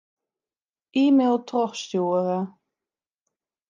E-mail trochstjoere.